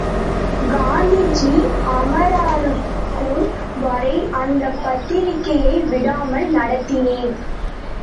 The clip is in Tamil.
காந்திஜி அமரராகும் வரை அந்தப் பத்திரிகையை விடாமல் நடத்தினேன்.